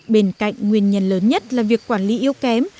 bên cạnh nguyên nhân lớn nhất là việc quản lý yếu kém